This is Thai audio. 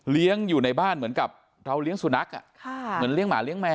อยู่ในบ้านเหมือนกับเราเลี้ยงสุนัขเหมือนเลี้ยหมาเลี้ยแมว